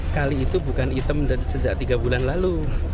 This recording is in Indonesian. kali itu bukan hitam dari sejak tiga bulan lalu